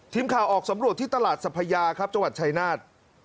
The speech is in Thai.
ออกสำรวจที่ตลาดสัพยาครับจังหวัดชายนาฏ